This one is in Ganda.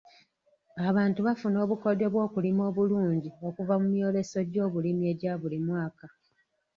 Abantu bafuna obukodyo bw'okulima obulungi okuva mu myoleso gy'obulimi egya buli mwaka.